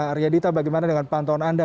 arya dita bagaimana dengan pantauan anda